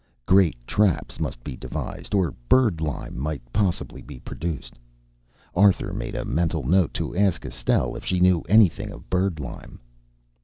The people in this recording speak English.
Great traps must be devised, or bird lime might possibly be produced. Arthur made a mental note to ask Estelle if she knew anything of bird lime.